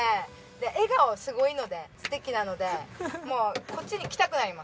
笑顔すごいので素敵なのでもうこっちに来たくなります。